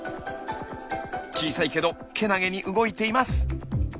小さいけどけなげに動いています。